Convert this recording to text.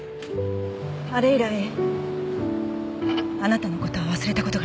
あれ以来あなたの事は忘れた事がなかった。